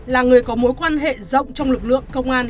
là người có mối quan hệ rộng trong lực lượng công an